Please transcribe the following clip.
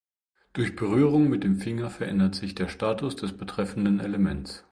Durch Berührung mit dem Finger verändert sich der Status des betreffenden Elements.